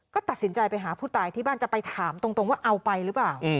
ก็ตัดสินใจไปหาผู้ตายที่บ้านจะไปถามตรงว่าเอาไปหรือเปล่า